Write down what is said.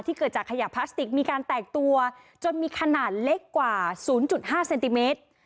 เกิดจากขยะพลาสติกมีการแตกตัวจนมีขนาดเล็กกว่า๐๕เซนติเมตร